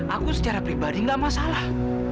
aku kerja keras berusaha untuk mengembangkanmu